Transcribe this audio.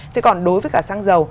thế còn đối với cả xăng dầu